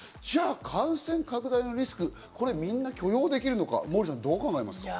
じゃあ感染拡大のリスク、これみんな許容できるのか、モーリーさん。